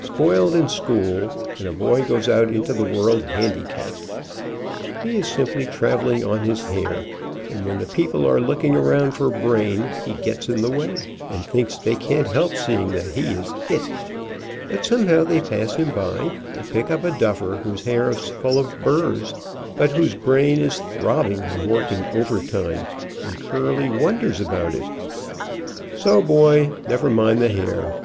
Spoiled in school, and a boy goes out into the world handicapped. He is simply trav eling on his hair, and when the people are looking around for brain, he gets in the way, and thinks they can't help seeing that he is "it," but somehow they pass him by, and pick up a duffer whose hair is full of burrs, but whose brain is throbbing and working overtime, and curly wonders about it. So, boy, never mind the hair.